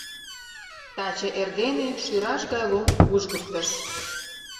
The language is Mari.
Таче эрдене шӱраш гай лум вужгыктыш.